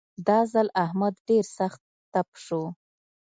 دا ځل احمد ډېر سخت تپ شو.